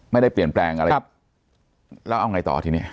ไม่ได้เปลี่ยนแปลงอะไรแล้วเอาไงต่อทีนี้